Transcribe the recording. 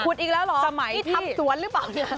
ขุดอีกแล้วเหรอที่ทำสวนหรือเปล่า